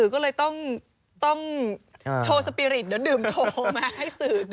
ก็เลยต้องโชว์สปีริตเดี๋ยวดื่มโชว์มาให้สื่อดู